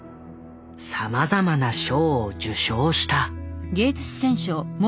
さまざまな賞を受賞した。